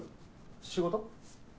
仕事？